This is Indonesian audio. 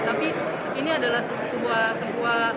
tapi ini adalah sebuah